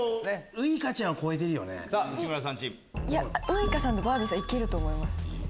ウイカさんとバービーさん行けると思います。